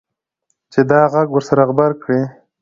چې دا غږ ورسره غبرګ کړي.